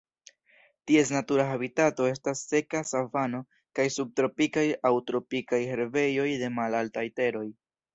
Ties natura habitato estas seka savano kaj subtropikaj aŭ tropikaj herbejoj de malaltaj teroj.